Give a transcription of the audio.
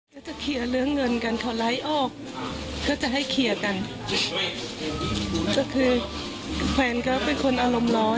มีคนรู้ว่าเป็นคนตาลงร้อน